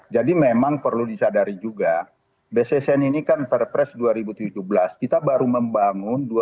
jadi memang perlu disadari juga bssn ini kan perpres dua ribu tujuh belas kita baru membangun dua ribu sembilan belas